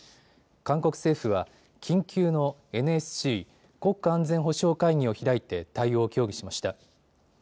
韓国政府は緊急のＮＳＣ・国家安全保障会議を開いて対応を協議しました。